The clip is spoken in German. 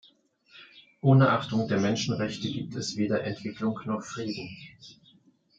Ohne Achtung der Menschenrechte gibt es weder Entwicklung noch Frieden.